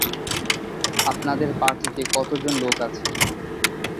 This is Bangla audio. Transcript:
আপনাদের পার্টিতে কতজন লোক আছে?